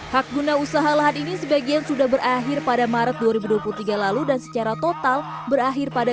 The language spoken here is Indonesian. hak guna usaha lahan ini sebagian sudah berakhir pada maret dua ribu dua puluh tiga lalu dan secara total berakhir pada